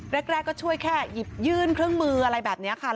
แรกก็ช่วยแค่หยิบยื่นเครื่องมืออะไรแบบนี้ค่ะ